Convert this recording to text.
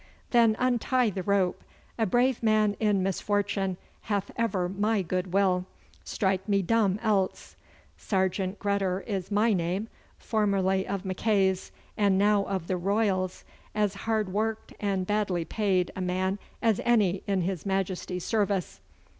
'Then untie the rope. A brave man in misfortune hath ever my goodwill, strike me dumb else! Sergeant Gredder is my name, formerly of Mackay's and now of the Royals as hard worked and badly paid a man as any in his Majesty's service.